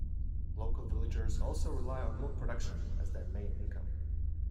Local villagers also rely on milk production as their main income.